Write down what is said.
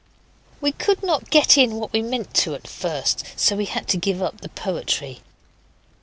We could not get in what we meant to at first, so we had to give up the poetry.